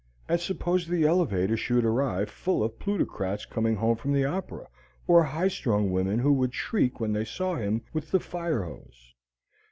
And suppose the elevator should arrive full of plutocrats coming home from the opera, or high strung women who would shriek when they saw him with the fire hose?